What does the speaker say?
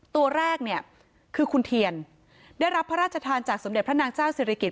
ตัวแรกเนี่ยคือคุณเทียนได้รับพระราชทานจากสมเด็จพระนางเจ้าศิริกิจ